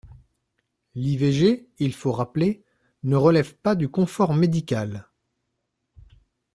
L’IVG, il faut rappeler, ne relève pas du confort médical.